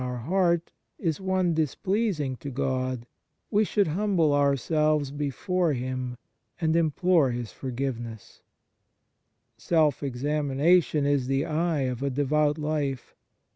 I 3 6 ON SOME PREROGATIVES OF GRACE heart, is one displeasing to God, we should humble ourselves before Him and implore His forgiveness. Self examination is the eye of a devout life.